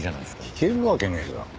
聞けるわけねえじゃん。